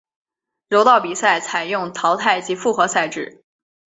柔道比赛采用淘汰及复活赛制。